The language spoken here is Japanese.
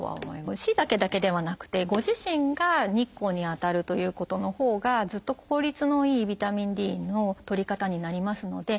しいたけだけではなくてご自身が日光に当たるということのほうがずっと効率のいいビタミンＤのとり方になりますので。